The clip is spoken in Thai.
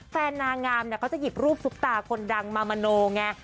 นางงามเขาจะหยิบรูปซุปตาคนดังมามโนไง